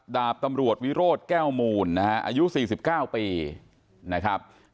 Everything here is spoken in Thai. ดาบตำรวจวิโรธแก้วมูลนะฮะอายุ๔๙ปีนะครับ